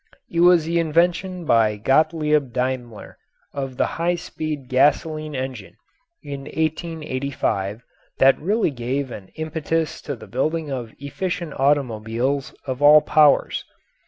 It was the invention by Gottlieb Daimler of the high speed gasoline engine, in 1885, that really gave an impetus to the building of efficient automobiles of all powers.